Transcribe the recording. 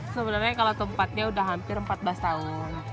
sebenarnya kalau tempatnya udah hampir empat belas tahun